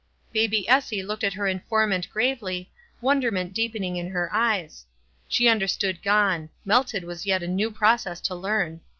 Baby Essie looked at her informant gravely, wonderment deepening in her eyes. She under stood "gone" — "melted" was yet a new pro cess to learn.